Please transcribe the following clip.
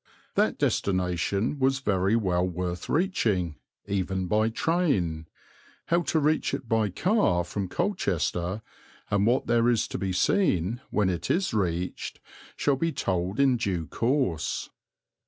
That destination was very well worth reaching, even by train; how to reach it by car from Colchester, and what there is to be seen when it is reached shall be told in due course.